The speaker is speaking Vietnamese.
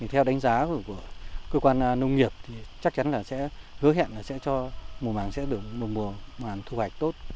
theo đánh giá của cơ quan nông nghiệp chắc chắn là sẽ hứa hẹn là sẽ cho mùa màng thu hoạch tốt